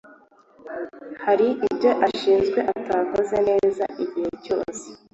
hari ibyo ashinzwe atakoze neza igihe cyose